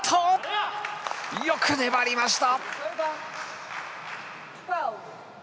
よく粘りました。